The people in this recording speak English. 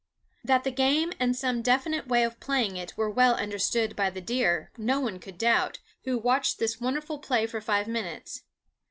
That the game and some definite way of playing it were well understood by the deer no one could doubt who watched this wonderful play for five minutes.